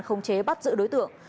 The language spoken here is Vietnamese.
khống chế bắt giữ đối tượng